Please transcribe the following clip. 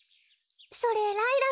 それライラック。